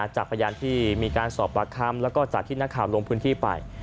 จากพยานที่มีการสอบปากคำแล้วก็จากที่นักข่าวลงพื้นที่ไป